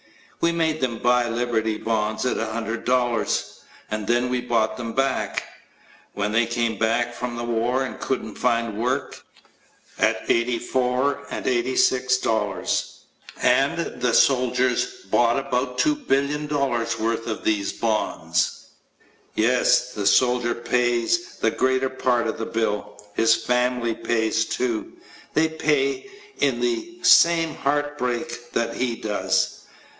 We made them buy Liberty Bonds at $100 and then we bought them back when they came back from the war and couldn't find work at $84 and $86. And the soldiers bought about $2,000,000,000 worth of these bonds! Yes, the soldier pays the greater part of the bill. His family pays too. They pay it in the same heart break that he does.